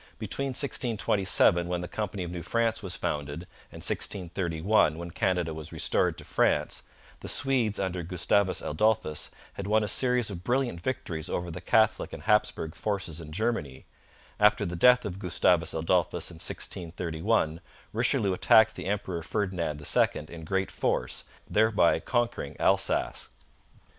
Between 1627, when the Company of New France was founded, and 1632, when Canada was restored to France, the Swedes under Gustavus Adolphus had won a series of brilliant victories over the Catholic and Hapsburg forces in Germany, After the death of Gustavus Adolphus in 1632, Richelieu attacked the Emperor Ferdinand II in great force, thereby conquering Alsace.